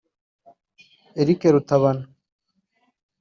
Eric Rutabana